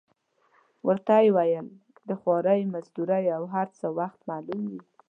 ورته ویې ویل: د خوارۍ مزدورۍ او هر څه وخت معلوم وي.